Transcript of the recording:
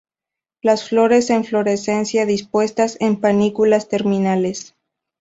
Las flores en inflorescencias dispuestas en panículas terminales.